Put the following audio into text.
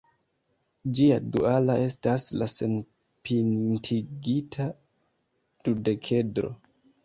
Ĝia duala estas la senpintigita dudekedro.